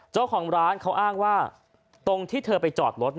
เจ้าของร้านเขาอ้างว่าตรงที่เธอไปจอดรถ